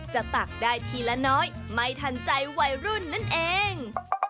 ตักได้ทีละน้อยไม่ทันใจวัยรุ่นนั่นเอง